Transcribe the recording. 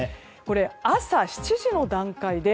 朝７時の段階です。